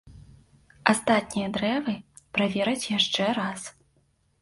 Астатнія дрэвы правераць яшчэ раз.